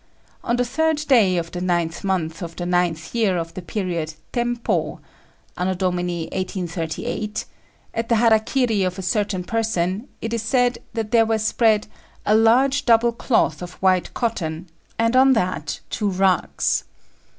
On the third day of the ninth month of the ninth year of the period Tempô (A.D. 1838), at the hara kiri of a certain person it is said that there were spread a large double cloth of white cotton, and on that two rugs.